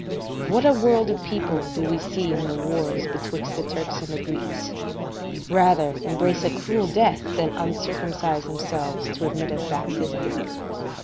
What a world of people do we see in the wars betwixt the Turks and the Greeks, rather embrace a cruel death than uncircumcise themselves to admit of baptism?